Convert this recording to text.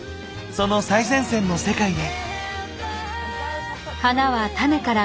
その最前線の世界へ。